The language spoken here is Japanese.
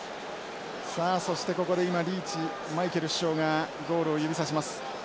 さあそしてここで今リーチマイケル主将がゴールを指さします。